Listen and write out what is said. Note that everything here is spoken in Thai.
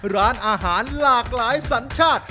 ร้านอาหารหลากหลายสัญชาติ